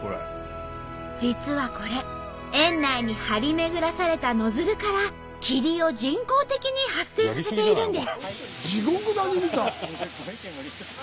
実はこれ園内に張り巡らされたノズルから霧を人工的に発生させているんです。